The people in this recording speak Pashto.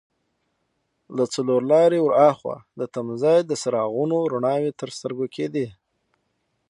له څلور لارې ور هاخوا د تمځای د څراغونو رڼاوې تر سترګو کېدې.